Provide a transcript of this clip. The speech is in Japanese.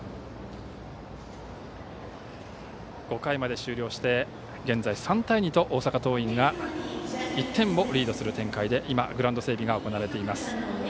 ５回まで終了して現在、３対２と大阪桐蔭が１点をリードする展開で今、グラウンド整備が行われています。